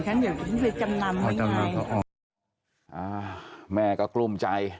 เจ้าเขาอยู่